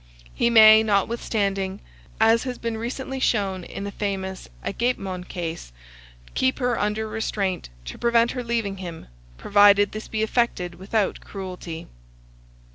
He may, notwithstanding, as has been recently shown in the famous Agapemone case, keep her under restraint, to prevent her leaving him, provided this be effected without cruelty.